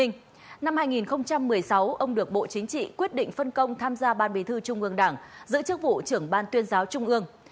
năm hai nghìn một mươi sáu ông được bộ chính trị quyết định phân công tham gia ban bí thư trung ương đảng giữ chức vụ trưởng ban tuyên giáo trung ương